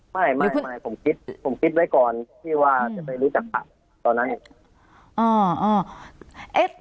ไม่ไม่ผมคิดผมคิดไว้ก่อนที่ว่าจะไปรู้จักพระตอนนั้น